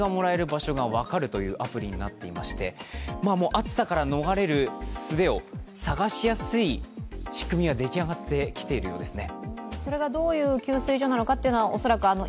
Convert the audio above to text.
暑さから逃れるすべを探しやすい仕組みはでき上がってきているようですね。